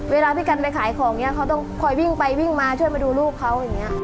เวลาที่กันไปขายของเขาต้องคอยวิ่งไปวิ่งมาช่วยมาดูลูกเขา